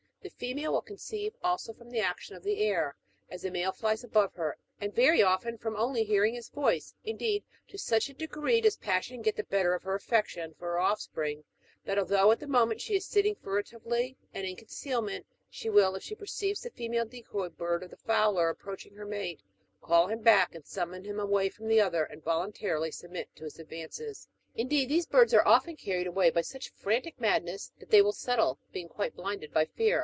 The female ^ill conceive also from the action of the air. as the male flies above her, and very often from onlv hearing his voice : indeed, to such a degree does passion get the better of her affection for her offspring, that although at the moment she is sitting furtively and in concealment, she "Will, if she perceives the female decoy bird of the fowler ap proaching her mate, call him back, and summon him away from the other, and voluntarily submit to his advances. Indeed, these birds are often carried away by such frantic madness, that they will settle, being quite "blinded by fear.